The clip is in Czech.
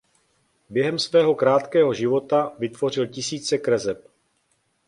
Během svého krátkého života vytvořil tisíce kreseb.